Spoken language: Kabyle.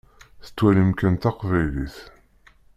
Tettwalim kan taqbaylit.